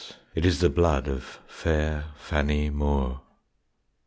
it is the blood Of fair Fannie Moore.